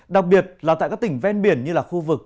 đặc biệt là tại các tỉnh ven biển như là khu vực